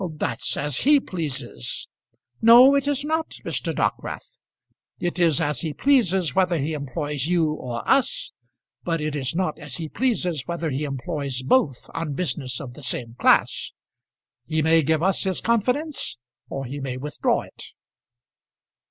"That's as he pleases." "No; it is not, Mr. Dockwrath. It is as he pleases whether he employs you or us; but it is not as he pleases whether he employs both on business of the same class. He may give us his confidence, or he may withdraw it."